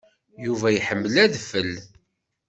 Yuba iḥemmel adfel.